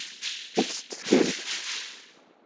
Ad k-t-fkent?